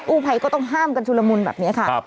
ภัยก็ต้องห้ามกันชุลมุนแบบนี้ค่ะ